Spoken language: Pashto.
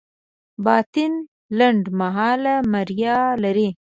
باطل لنډمهاله بریا لري.